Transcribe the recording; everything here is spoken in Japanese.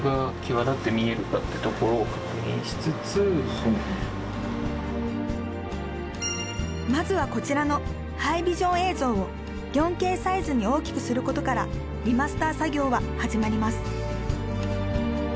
再生をしてまずはこちらのハイビジョン映像を４Ｋサイズに大きくすることからリマスター作業は始まります